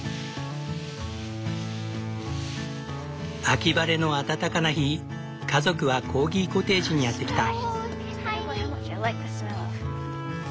秋晴れの暖かな日家族はコーギコテージにやって来た。